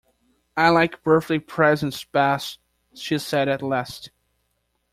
‘I like birthday presents best,’ she said at last.